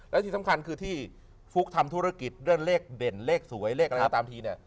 และสิ่งสำคัญคือที่ฟุ๊กทำธุรกิจเล่นเลขเด่นเลขสวยเลขอะไรตามที